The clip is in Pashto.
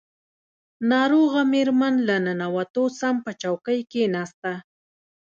ناروغه مېرمن له ننوتو سم په څوکۍ کښېناسته.